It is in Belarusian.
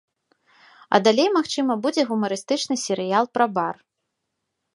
А далей, магчыма, будзе гумарыстычны серыял пра бар.